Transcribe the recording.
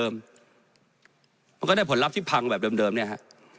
มันก็ได้ผลลัพธ์ที่พังแบบเดิมเนี่ยฮะ